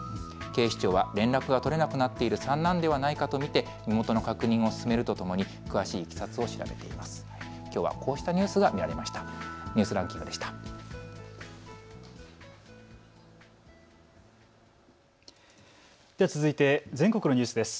警視庁は連絡が取れなくなっている三男ではないかと見て身元の確認を進めるとともに詳しいいきさつを調べています。